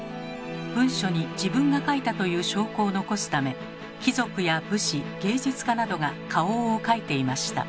文書に「自分が書いた」という証拠を残すため貴族や武士芸術家などが花押を書いていました。